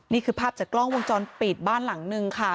นี่คือภาพจากกล้องวงจรปิดบ้านหลังนึงค่ะ